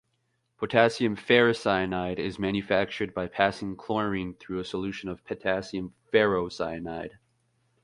Potassium ferricyanide is manufactured by passing chlorine through a solution of potassium ferrocyanide.